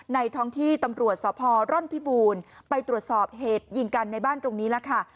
ท้องที่ตำรวจสพร่อนพิบูรณ์ไปตรวจสอบเหตุยิงกันในบ้านตรงนี้แล้วค่ะ